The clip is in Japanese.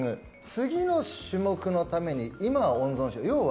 次の種目のために今は温存しておこう。